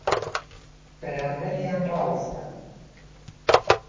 بهرامبهریان ڕاوهستان